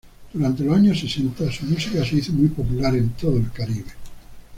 Durante los años sesenta, su música se hizo muy popular en todo el Caribe.